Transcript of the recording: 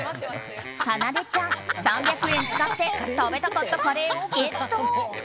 かなでちゃん、３００円使って食べたかったカレーをゲット。